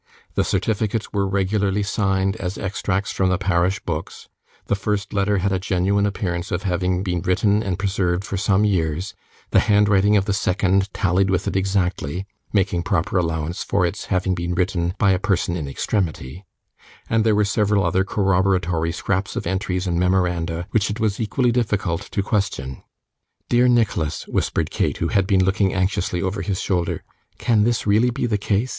The certificates were regularly signed as extracts from the parish books, the first letter had a genuine appearance of having been written and preserved for some years, the handwriting of the second tallied with it exactly, (making proper allowance for its having been written by a person in extremity,) and there were several other corroboratory scraps of entries and memoranda which it was equally difficult to question. 'Dear Nicholas,' whispered Kate, who had been looking anxiously over his shoulder, 'can this be really the case?